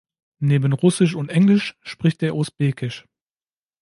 Neben Russisch und Englisch spricht er Usbekisch.